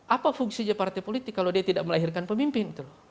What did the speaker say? apa fungsinya partai politik kalau dia tidak melahirkan pemimpin